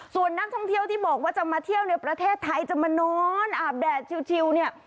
ส่วนนักท่องเที่ยวที่บอกว่าจะมาเที่ยวในประเทศไทยจะมานอนอาบแดดชิวเนี่ย